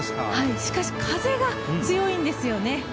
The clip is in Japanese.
しかし風が強いんですよね。